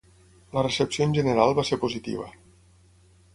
La recepció en general va ser positiva.